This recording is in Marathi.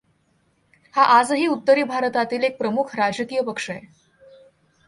हा आजही उत्तरी भारतातील एक प्रमुख राजकीय पक्ष आहे.